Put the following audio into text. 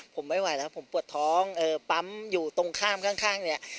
ผมไม่ไหวแล้วผมปวดท้องปั๊มอยู่ตรงข้ามข้างข้างเนี่ย